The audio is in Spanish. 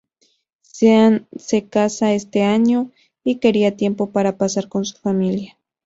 Sean se casa este año y quería tiempo para pasar con su familia.